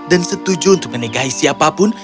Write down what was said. dan setuju untuk menikahi siapapun